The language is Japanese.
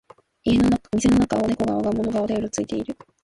店の中をネコが我が物顔でうろついてる